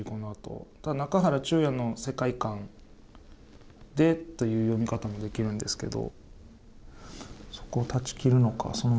中原中也の世界観でという読み方もできるんですけど。